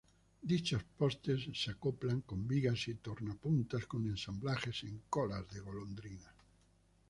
Dichos postes se acoplan con vigas y tornapuntas con ensamblajes en colas de golondrina.